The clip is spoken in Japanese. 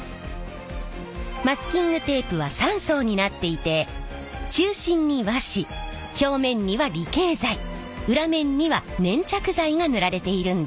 マスキングテープは３層になっていて中心に和紙表面には離型剤裏面には粘着剤が塗られているんです。